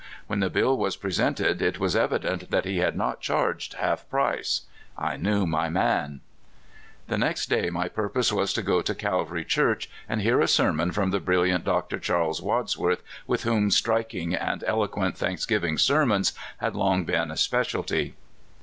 When the bill was presented, it was evident that he had not charged half price. I knew my man. The next day my purpose was to go to Calvary Church and hear a sermon from the brilliant Dr. Charles Wadsworth, with whom striking and elo quent thanksgiving sermons had long been a sjdc cialty.